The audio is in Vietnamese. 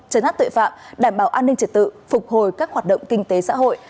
chấn áp tội phạm đảm bảo an ninh trật tự phục hồi các hoạt động kinh tế xã hội